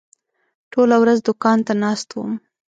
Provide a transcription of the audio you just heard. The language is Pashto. ټوله ورځ دوکان ته ناست وم.